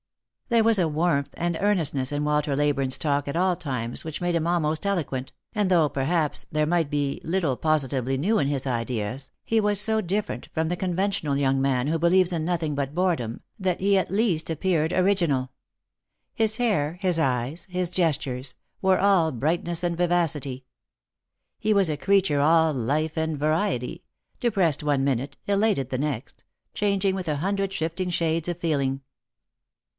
There was a warmth and earnestness in Walter Leyburne's talk at all times which made him almost eloquent, and though, perhaps, there might be little positively new in his ideas, he was so different from the conventional young man who believes in nothing but boredom, that he at least appeared original. His hair, his eyes, his gestures, were all brightness and vivacity. He was a creature all life and variety — depressed one minute, elated the next, changing with a hundred shifting shades of feeling.